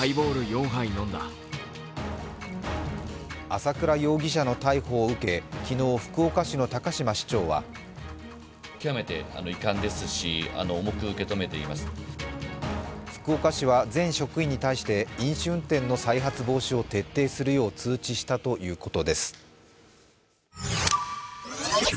朝倉容疑者の逮捕を受け昨日、福岡市の高島市長は福岡市は全職員に対して飲酒運転の再発防止を徹底するよう通知したということです。